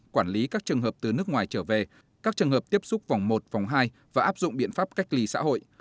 quản lý các trường hợp từ nước ngoài trở về các trường hợp tiếp xúc vòng một vòng hai và áp dụng biện pháp cách ly xã hội